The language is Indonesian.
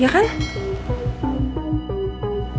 iya kan sekarang gini deh kalau adi datang kesini